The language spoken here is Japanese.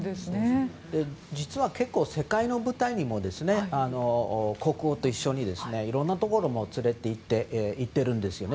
実は結構世界の舞台にも国王が一緒にいろんなところに連れて行ってるんですよね。